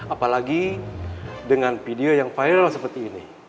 apalagi dengan video yang viral seperti ini